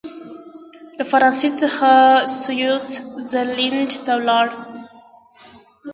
له فرانسې څخه سویس زرلینډ ته ولاړ.